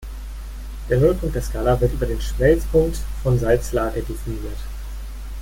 Der Nullpunkt der Skala wird über den Schmelzpunkt von Salzlake definiert.